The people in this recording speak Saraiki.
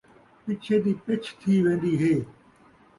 پچھے دی پچھ تھی ویندی ہے